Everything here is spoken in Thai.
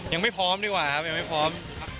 ยังไม่พร้อมดีกว่าครับ